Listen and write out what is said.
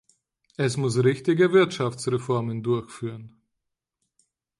Es muss richtige Wirtschaftsreformen durchführen.